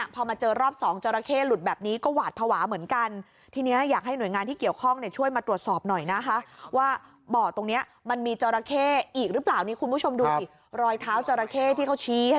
ภาครพลก็บอกว่าตอนนั้นนะขอดูภาครพลอีกทีนะคนเด็กนะฮะ